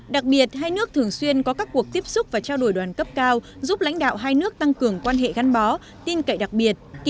đặc biệt hai nước thường xuyên có các cuộc tiếp xúc và trao đổi đoàn cấp cao giúp lãnh đạo hai nước tăng cường quan hệ gắn bó tin cậy đặc biệt